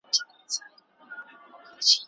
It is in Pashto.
زکات د مال توازن دی.